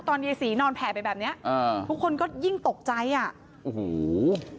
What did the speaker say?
ยายศรีนอนแผ่ไปแบบเนี้ยอ่าทุกคนก็ยิ่งตกใจอ่ะโอ้โห